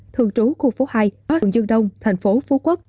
thường trú khu phố hai hùng dương đông thành phố phú quốc